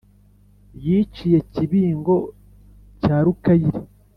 Yiciye Kibingo cya Rukayire